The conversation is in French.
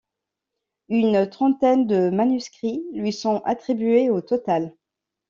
Une trentaine de manuscrit lui sont attribués au total.